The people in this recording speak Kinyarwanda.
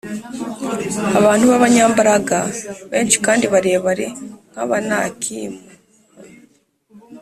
abantu b’abanyambaraga, benshi kandi barebare nk’Abanakimu. A